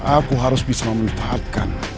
aku harus bisa memanfaatkan